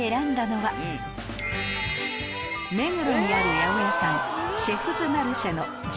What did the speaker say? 目黒にある八百屋さん